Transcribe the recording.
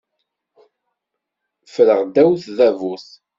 Ffreɣ ddaw tdabut.